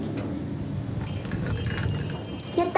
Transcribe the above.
やった！